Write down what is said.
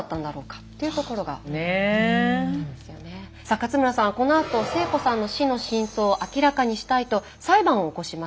さあ勝村さんはこのあと星子さんの死の真相を明らかにしたいと裁判を起こします。